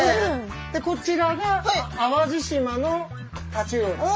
でこちらが淡路島のタチウオです。